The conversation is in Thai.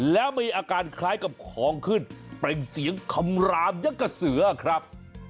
แล้วมีอาการคล้ายกับของขึ้นเปล่งเสียงคำรามยังกับเสือครับ